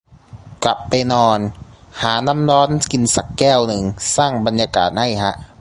กลับไปนอน หาน้ำร้อนกินสักแก้วนึง สร้างบรรยากาศให้ฮะ